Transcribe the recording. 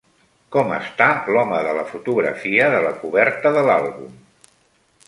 Com està l'home de la fotografia de la coberta de l'àlbum?